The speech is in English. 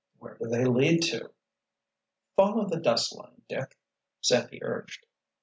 "Where do they lead to?" "Follow the dust line, Dick," Sandy urged.